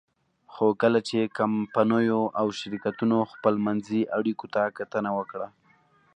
خو کله چې کمپنیو او شرکتونو خپلمنځي اړیکو ته کتنه وکړه.